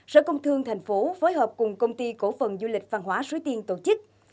sở công thương thành phố phối hợp cùng công ty cổ phần du lịch văn hóa suối tiên tổ chức